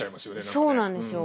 そうなんですよ。